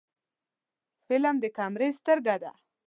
فلم د کیمرې سترګه ده